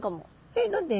えっ何で？